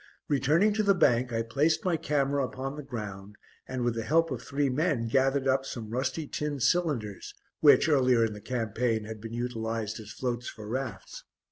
Returning to the bank I placed my camera upon the ground and with the help of three men gathered up some rusty tin cylinders, which, earlier in the campaign, had been utilised as floats for rafts.